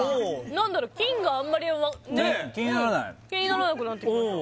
何だろう金があんまりね気にならなくなってきました